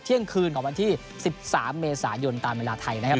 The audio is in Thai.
เที่ยงคืนของวันที่๑๓เมษายนตามเวลาไทยนะครับ